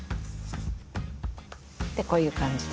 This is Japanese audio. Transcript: でこういう感じで。